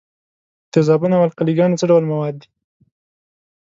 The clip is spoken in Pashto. تیزابونه او القلې ګانې څه ډول مواد دي؟